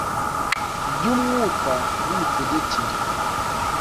by umwuka n imitegekere